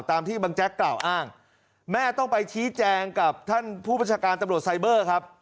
ตามที่บางแจ๊กกล่าวอ้างแม่ต้องไปชี้แจงกับท่านผู้ประชาการตำรวจไซเบอร์ครับ